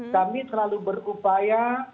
kami selalu berupaya